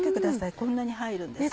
こんなに入るんですよ。